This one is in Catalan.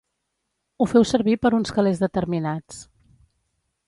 Ho feu servir per uns calés determinats.